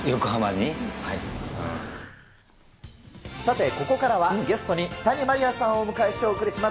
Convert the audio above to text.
さてここからはゲストに谷まりあさんをお迎えしてお送りします。